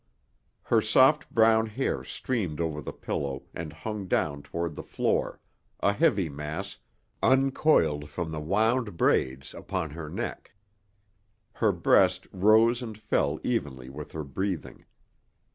Her soft brown hair streamed over the pillow and hung down toward the floor, a heavy mass, uncoiled from the wound braids upon her neck. Her breast rose and fell evenly with her breathing.